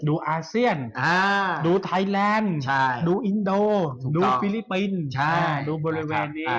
อาเซียนดูไทยแลนด์ดูอินโดดูฟิลิปปินส์ดูบริเวณดี